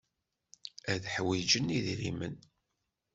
Ad ḥwijen idrimen.